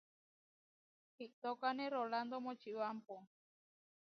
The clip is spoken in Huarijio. Iʼtókane Rolándo Močibámpo.